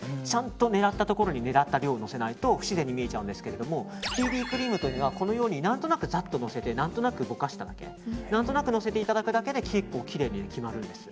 狙ったところに狙ったように乗せないと不自然に見えちゃうんですけどＢＢクリームというのは何となくざっとのせて何となくのせていただくだけで結構きれいに決まるんです。